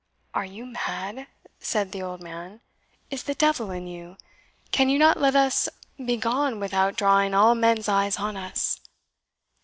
"Are you mad?" said the old man; "is the devil in you? Can you not let us begone without drawing all men's eyes on us?"